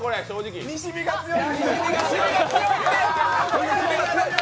西日が強い！